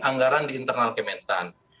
anggaran di internal kementan